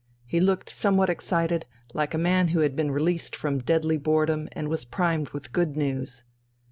He looked somewhat excited, like a man who had been released from deadly boredom and was primed with good news.